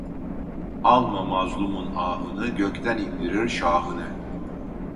Alma mazlumun ahını, gökden indirir şahını.